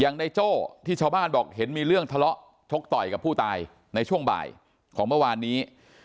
ในโจ้ที่ชาวบ้านบอกเห็นมีเรื่องทะเลาะชกต่อยกับผู้ตายในช่วงบ่ายของเมื่อวานนี้